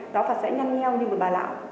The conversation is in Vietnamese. đó phải sẽ nhanh nheo như một bà lạo